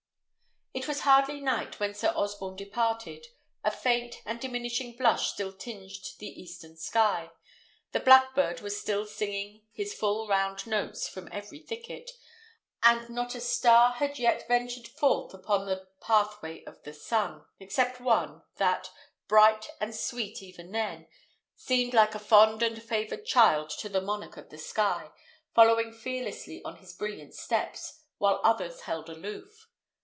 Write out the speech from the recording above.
It was hardly night when Sir Osborne departed; a faint and diminishing blush still tinged the eastern sky; the blackbird was still singing his full round notes from every thicket; and not a star had yet ventured forth upon the pathway of the sun, except one, that, bright and sweet even then, seemed like a fond and favoured child to the monarch of the sky, following fearlessly on his brilliant steps, while others held aloof.